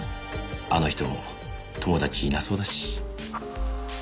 あの人友達いなそうだし。